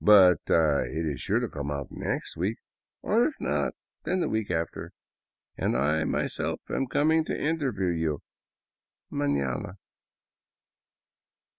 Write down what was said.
But it is sure to come out next week, or if not, then the week after. And I am myself coming to interview you — maiiana."